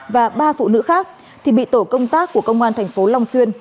và ba phụ nữ khác thì bị tổ công tác của công an tp long xuyên